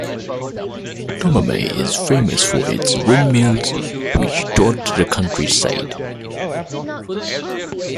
Tomamae is famous for its windmills which dot the countryside.